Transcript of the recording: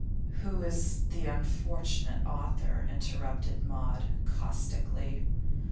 'Who is the unfortunate author?' interrupted Maud, caustically.